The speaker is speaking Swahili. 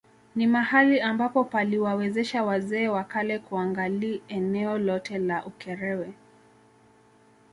Ni mahali ambapo paliwawezesha wazee wa kale kuangali eneo lote la Ukerewe